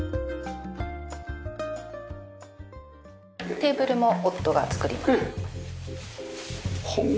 テーブルも夫が作りました。